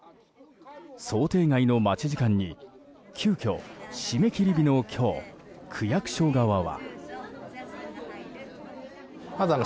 想定外の待ち時間に急きょ、締め切り日の今日区役所側は。